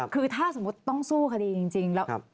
คือถ้าสมมุติต้องสู้คดีจริงแล้ว